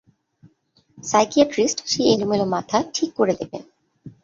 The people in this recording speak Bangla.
সাইকিয়াট্রিস্ট সেই এলোমেলো মাথা ঠিক করে দেবেন।